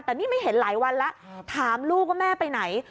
แต่นี่ไม่เห็นหลายวันแล้วถามลูกว่าแม่ไปไหน